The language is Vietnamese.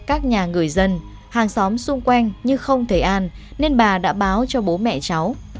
các nhà người dân hàng xóm xung quanh như không thấy an nên bà đã báo cho bố mẹ cháu